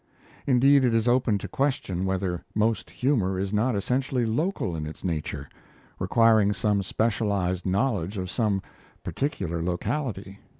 Indeed, it is open to question whether most humour is not essentially local in its nature, requiring some specialized knowledge of some particular locality.